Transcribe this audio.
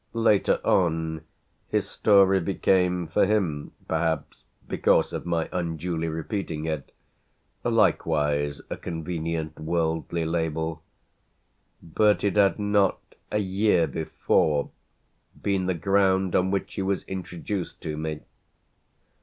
Later on his story became for him, perhaps because of my unduly repeating it, likewise a convenient wordly label; but it had not a year before been the ground on which he was introduced to me.